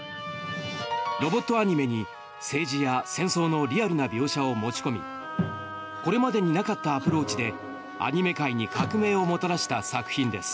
ロボットアニメに政治や戦争のリアルな描写を持ち込みこれまでになかったアプローチでアニメ界に革命をもたらした作品です。